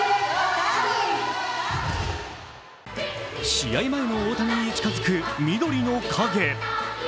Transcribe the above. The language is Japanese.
試合前の大谷に近づく緑の影。